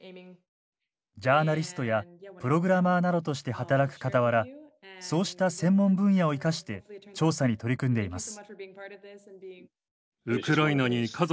ジャーナリストやプログラマーなどとして働くかたわらそうした専門分野を生かして調査に取り組んでいます。